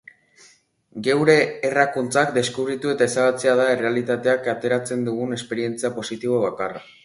Geure errakuntzak deskubritu eta ezabatzea da errealitatetik ateratzen dugun esperientzia positibo bakarra.